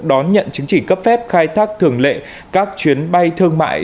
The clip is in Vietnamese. đón nhận chứng chỉ cấp phép khai thác thường lệ các chuyến bay thương mại